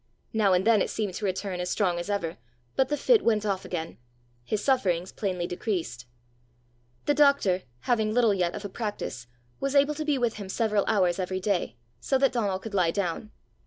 Now and then it seemed to return as strong as ever, but the fit went off again. His sufferings plainly decreased. The doctor, having little yet of a practice, was able to be with him several hours every day, so that Donal could lie down.